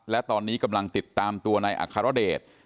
และตอนนี้กำลังติดตามตัวนายอัครเดช